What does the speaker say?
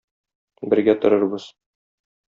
Бергә торырбыз.